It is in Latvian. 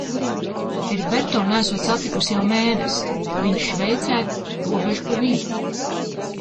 Heriberto neesot satikusi jau mēnesi, - viņš Šveicē, robeža pa vidu.